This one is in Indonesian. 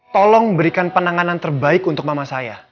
tolong berikan penanganan terbaik untuk mama saya